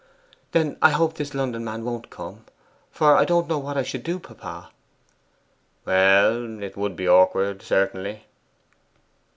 'Then I hope this London man won't come; for I don't know what I should do, papa.' 'Well, it would be awkward, certainly.